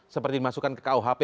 seperti dimasukkan ke kuhp